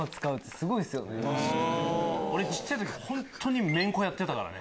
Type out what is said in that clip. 俺小っちゃい時本当にめんこやってたからね。